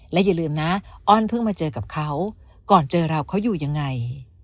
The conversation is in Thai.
และอย่าลืมนะอ้อนเพิ่งมาเจอกับเขาก่อนเจอเราเขาอยู่ยังไง